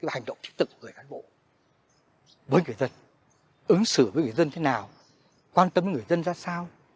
hành động thiết thực của người cán bộ với người dân ứng xử với người dân thế nào quan tâm người dân ra sao